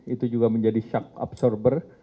itu juga menjadi shack absorber